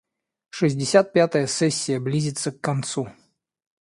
Шестьдесят пятая сессия близится к концу.